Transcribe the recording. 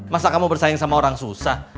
masa kamu bersaing sama orang susah